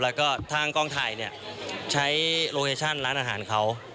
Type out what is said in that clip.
แล้วก็ทางกองถ่ายใช้โลเคชั่นร้านอาหารเขา